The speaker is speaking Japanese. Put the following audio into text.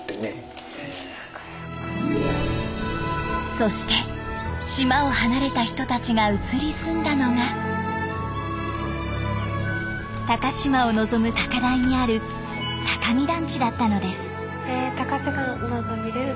そして島を離れた人たちが移り住んだのが高島を望む高台にある高見団地だったのです。